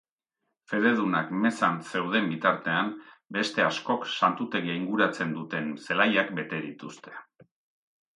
Fededunak mezan zeuden bitartean, beste askok santutegia inguratzen duten zelaiak bete dituzte.